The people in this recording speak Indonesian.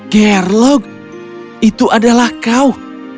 gerlok itu adalah kau